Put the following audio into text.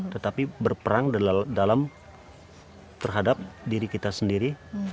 tetapi berperang dalam terhadap diri kita sendiri